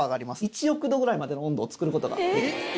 １億℃ぐらいまでの温度をつくることができます